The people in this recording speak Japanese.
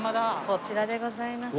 こちらでございます。